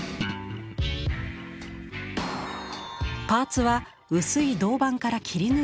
パーツは薄い銅板から切り抜いたもの。